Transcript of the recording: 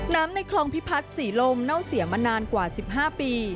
ในคลองพิพัฒน์ศรีลมเน่าเสียมานานกว่า๑๕ปี